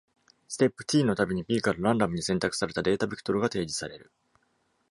ステップ「T」のたびに、「P」からランダムに選択されたデータベクトルが提示される。